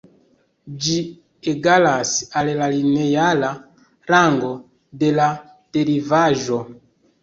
Ĝi egalas al la lineara rango de la derivaĵo.